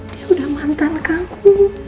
dia udah mantan kamu